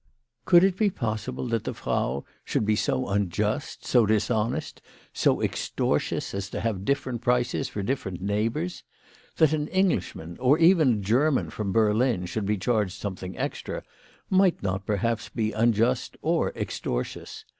Could it be possible that the Frau should be so unjust, so dishonest, so extor tious as to have different prices for different neigh bours ! That an Englishman, or even a German from Berlin, should be charged something extra, might not perhaps be unjust or extortious.